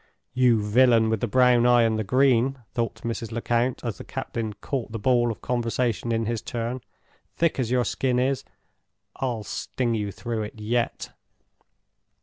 "You villain with the brown eye and the green!" thought Mrs. Lecount, as the captain caught the ball of conversation in his turn; "thick as your skin is, I'll sting you through it yet!"